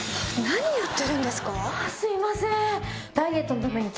すいません。